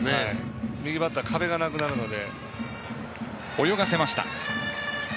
右バッター壁がなくなるので。